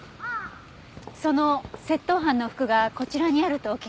その窃盗犯の服がこちらにあるとお聞きしたんですが。